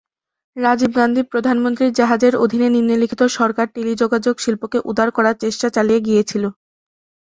রাজীব গান্ধীর প্রধানমন্ত্রী-জাহাজের অধীনে নিম্নলিখিত সরকার টেলিযোগাযোগ শিল্পকে উদার করার চেষ্টা চালিয়ে গিয়েছিল।